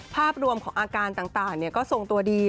ภาพรวมของอาการต่างก็ทรงตัวดี